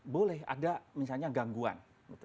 boleh ada misalnya gangguan